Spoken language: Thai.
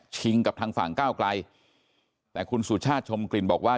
กับทางฝั่งก้าวไกลแต่คุณสุชาติชมกลิ่นบอกว่า